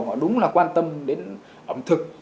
họ đúng là quan tâm đến ẩm thực